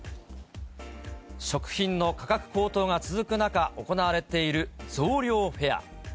食品の価格高騰が続く中、行われている増量フェア。